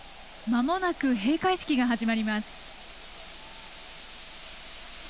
まもなく閉会式が始まります。